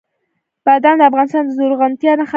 بادام د افغانستان د زرغونتیا نښه ده.